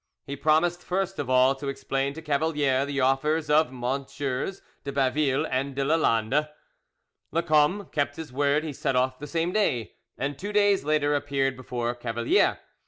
He promised first of all to explain to Cavalier the offers of MM. de Baville and de Lalande. Lacombe kept his word: he set off the same day, and two days later appeared before Cavalier.